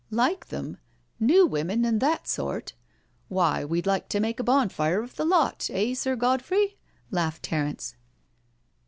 ...^ "Like them I New Women and that sort? Why, we'd like to make a bonfire of the lot, eh, Sir Godfrey? laughed Terence.